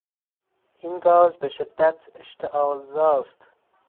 این گاز به شدت اشتعالزاست